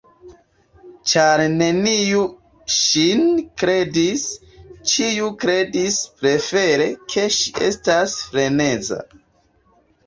Ĉar neniu ŝin kredis, ĉiu kredis prefere ke ŝi estas freneza.